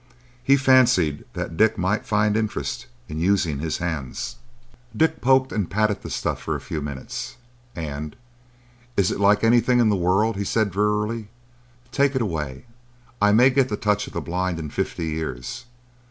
He fancied that Dick might find interest in using his hands. Dick poked and patted the stuff for a few minutes, and, "Is it like anything in the world?" he said drearily. "Take it away. I may get the touch of the blind in fifty years.